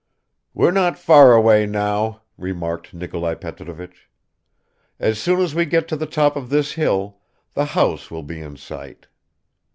"We're not far away now," remarked Nikolai Petrovich. "As soon as we get to the top of this hill the house will be in sight.